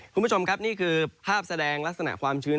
คุณผู้ชมครับนี่คือภาพแสดงลักษณะความชื้น